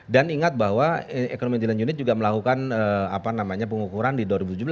dan ingat bahwa ekonomi intelijen unit juga melakukan pengukuran di dua ribu tujuh belas